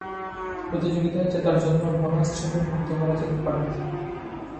প্রতিযোগিতায় জেতার জন্য বোনাস ছবি উন্মুক্ত করা যেতে পারে।